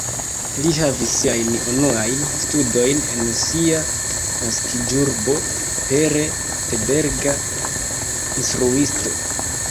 Li havis siajn unuajn studojn en sia naskiĝurbo, pere de belga instruisto.